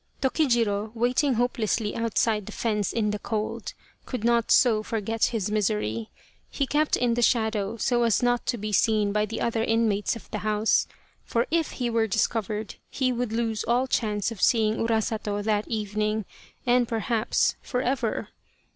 Tokijiro, waiting hopelessly outside the fence in the cold, could not so forget his misery. He kept in the shadow so as not to be seen by the other inmates of the house, for if he were discovered he would lose all chance of seeing Urasato that evening and, perhaps, for ever.